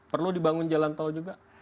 perlu dibangun jalan tol juga